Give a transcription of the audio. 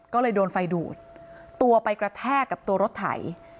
ก็เลยโดนไฟดูดตัวไปกระแทกกับตัวรถไถ